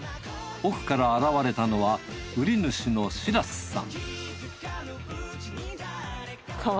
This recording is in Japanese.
奥から現れたのは売り主の白須さん